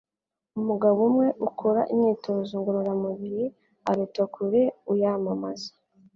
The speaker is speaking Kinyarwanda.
Umugabo umwe ukora imyitozo ngororamubiri aruta kure uyamamaza.”